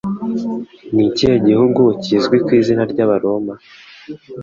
Ni ikihe gihugu kizwi ku izina ry'Abaroma?